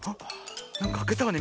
なんかあけたわね